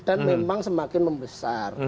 dan memang semakin membesar